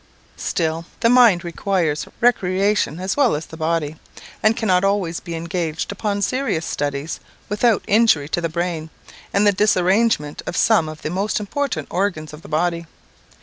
Still, the mind requires recreation as well as the body, and cannot always be engaged upon serious studies without injury to the brain, and the disarrangement of some of the most important organs of the body.